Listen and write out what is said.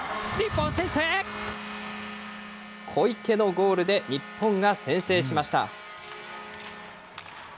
小池のゴールで日本が先制しました。